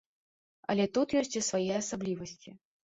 Але тут ёсць і свае асаблівасці.